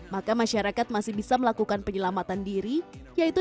maka masyarakat masih bisa melakukan penyelamatan diri yaitu di jempa bumi